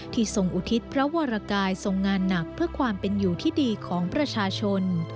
ทรงอุทิศพระวรกายทรงงานหนักเพื่อความเป็นอยู่ที่ดีของประชาชน